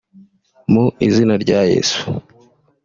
mu Izina rya Yesu